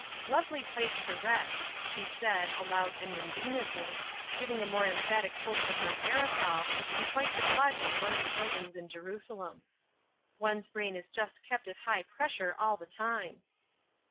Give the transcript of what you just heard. "A lovely place to rest!" she said, aloud, and indignantly, giving a more emphatic poke with her parasol, and quite dislodging one of the buildings in Jerusalem. "One's brain is just kept at high pressure all the time."